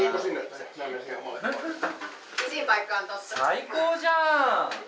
最高じゃん！